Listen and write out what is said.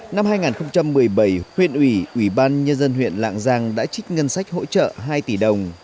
năm hai nghìn một mươi bảy huyện ủy ủy ban nhân dân huyện lạng giang đã trích ngân sách hỗ trợ hai tỷ đồng